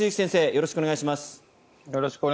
よろしくお願いします。